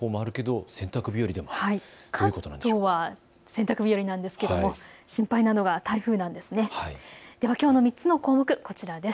関東は洗濯日和なんですけれども心配なのは台風なんです。